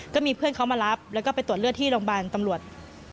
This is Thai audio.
ก็มีเพื่อนเขามารับแล้วก็ไปตรวจเลือดที่โรงพยาบาลตำรวจ